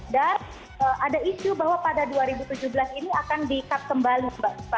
dan ada isu bahwa pada dua ribu tujuh belas ini akan diikat kembali